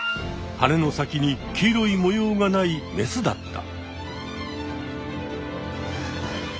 はねの先に黄色い模様がないメスだった。